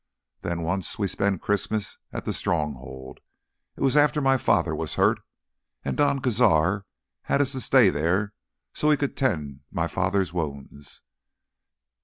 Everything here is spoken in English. Then once we spend Christmas at the Stronghold ... it was after my father was hurt and Don Cazar had us to stay there so he could tend my father's wounds.